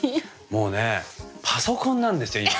もうねパソコンなんですよ今。